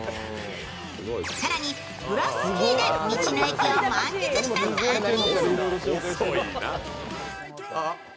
更にグラススキーで道の駅を満喫した３人。